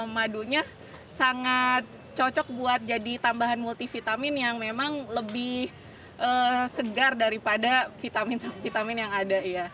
madunya sangat cocok buat jadi tambahan multivitamin yang memang lebih segar daripada vitamin vitamin yang ada